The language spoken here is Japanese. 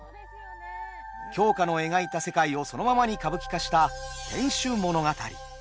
鏡花の描いた世界をそのままに歌舞伎化した「天守物語」。